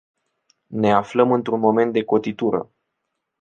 Ne aflăm într-un moment de cotitură.